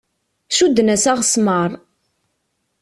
Cudden-as aɣesmar.